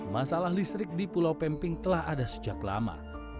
masalah listrik di pulau pemping telah ada sejak lama